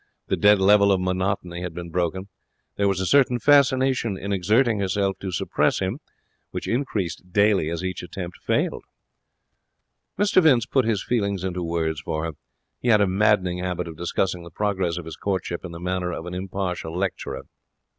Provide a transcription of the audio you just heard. The dead level of monotony had been broken. There was a certain fascination in exerting herself to suppress him, which increased daily as each attempt failed. Mr Vince put this feeling into words for her. He had a maddening habit of discussing the progress of his courtship in the manner of an impartial lecturer.